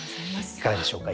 いかがでしょうか？